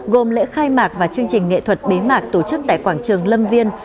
gồm lễ khai mạc và chương trình nghệ thuật bế mạc tổ chức tại quảng trường lâm viên